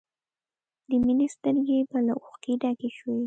د مینې سترګې به له اوښکو ډکې شوې